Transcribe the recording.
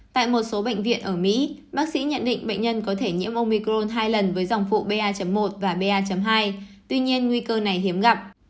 tại một số bệnh viện ở mỹ bác sĩ nhận định bệnh nhân có thể nhiễm omicron hai lần với dòng phụ ba một và ba hai tuy nhiên nguy cơ này hiếm gặp